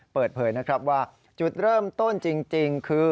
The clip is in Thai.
เปิดเผยนะครับว่าจุดเริ่มต้นจริงคือ